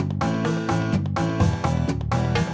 ip kebc kota baru mikrellah